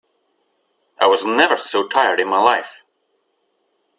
I was never so tired in my life.